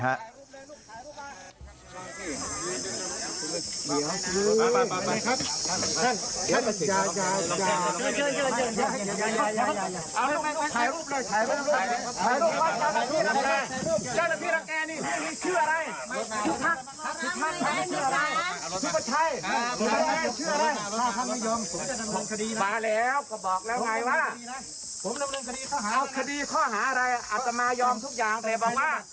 เอาคดีข้อหาอะไรอาจจะมายอมทุกอย่างแต่บอกว่า